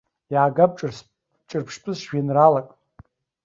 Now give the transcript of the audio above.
Иаагап ҿырԥштәыс жәеинраалак.